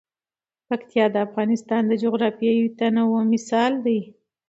پکتیا د افغانستان د جغرافیوي تنوع مثال دی.